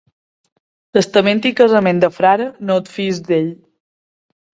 Testament i casament de frare, no et fiïs d'ell.